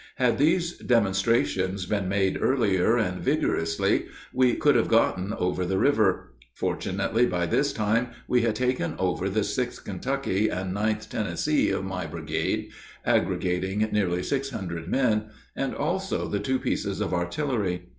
Had these demonstrations been made earlier, and vigorously, we could have gotten over the river. Fortunately by this time we had taken over the 6th Kentucky and 9th Tennessee of my brigade aggregating nearly six hundred men and also the two pieces of artillery.